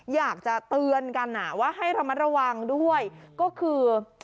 อยากจะเตือนกันน่ะว่าให้ระวังด้วยก็คือ